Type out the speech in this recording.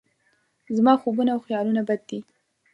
زما خوبونه او خیالونه بند دي